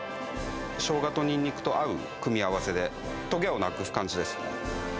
しょうがとニンニクと合う組み合わせで、とげをなくす感じですね。